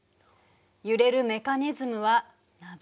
揺れるメカニズムは謎。